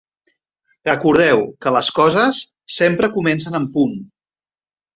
Recordeu que les coses sempre comencen en punt.